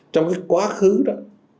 trong cái quá khứ đó